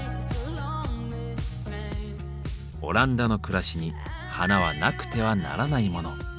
オランダの暮らしに花はなくてはならないモノ。